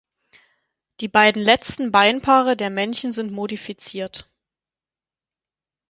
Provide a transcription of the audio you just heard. Die beiden letzten Beinpaare der Männchen sind modifiziert.